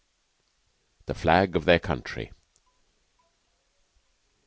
THE FLAG OF THEIR COUNTRY.